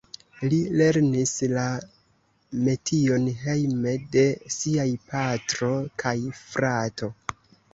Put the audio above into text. Li lernis la metion hejme de siaj patro kaj frato.